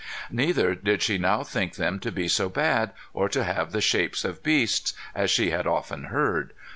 "Neither did she now think them to be so bad, or to have the shapes of beasts, as she had often heard.